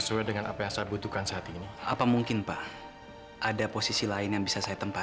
sampai jumpa di video selanjutnya